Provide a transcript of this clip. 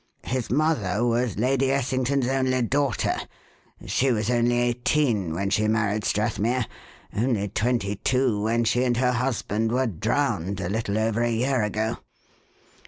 His mother was Lady Essington's only daughter. She was only eighteen when she married Strathmere: only twenty two when she and her husband were drowned, a little over a year ago."